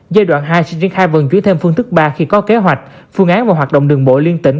giai đoạn hai sẽ triển khai vận chuyển thêm phương thức ba khi có kế hoạch phương án và hoạt động đường bộ liên tỉnh